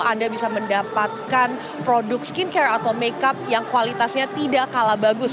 anda bisa mendapatkan produk skin care atau make up yang kualitasnya tidak kalah bagus